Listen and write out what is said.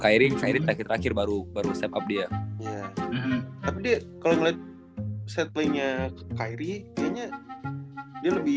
kairi kairi terakhir baru baru set up dia kalau ngeliat setelahnya kairi dia lebih